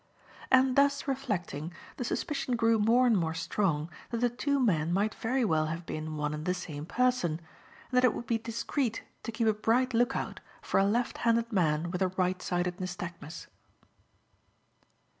And thus reflecting, the suspicion grew more and more strong that the two men might very well have been one and the same person, and that it would be discreet to keep a bright look out for a left handed man with a right sided nystagmus.